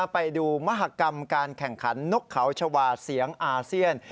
ไปดูมหากรรมการแข่งขันนกเขาชาวาเสียงอาเซียน